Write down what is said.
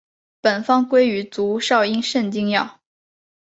本方归于足少阴肾经药。